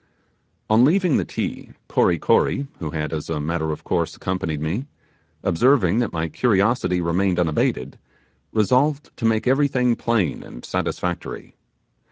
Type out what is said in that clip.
On leaving the Ti, Kory Kory, who had as a matter of course accompanied me, observing that my curiosity remained unabated, resolved to make everything plain and satisfactory.